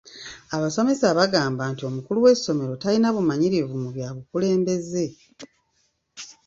Abasomesa baagamba nti omukulu w'essomero talina bumanyirivu mu bya bukulembeze.